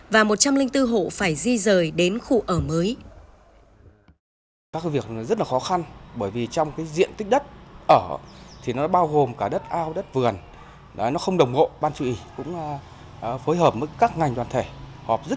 và một trăm linh bốn hộ phải di rời đến khu ở mới